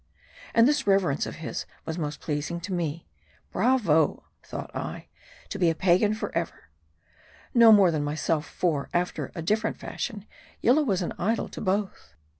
176 MARDI. And this reverence of his was most pleasing to me, Bravo ! thought I ; be a pagan forever. No more than myself; for, after a different fashion, Yillah was an idol to both.